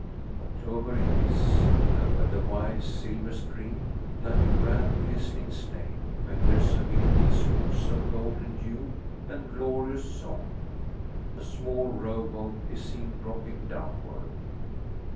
October it is; and where the Wye's silver stream, like a grand glistening snake, meanders amid these woods of golden hue and glorious song, a small row boat is seen dropping downward.